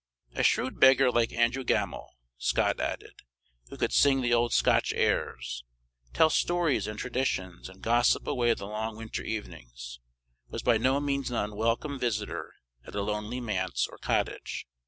A shrewd beggar like Andrew Gemmells, Scott added, who could sing the old Scotch airs, tell stories and traditions, and gossip away the long winter evenings, was by no means an unwelcome visitor at a lonely manse or cottage.